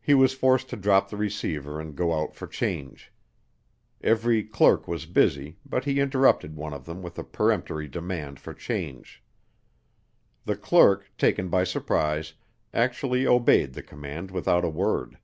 He was forced to drop the receiver and go out for change. Every clerk was busy, but he interrupted one of them with a peremptory demand for change. The clerk, taken by surprise, actually obeyed the command without a word.